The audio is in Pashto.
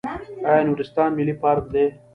آیا نورستان ملي پارک دی؟